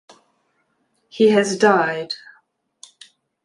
He has died.